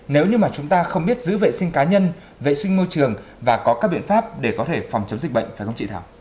nếu như mà chúng ta không biết giữ vệ sinh cá nhân vệ sinh môi trường và có các biện pháp để có thể phòng chống dịch bệnh phải không chị thảo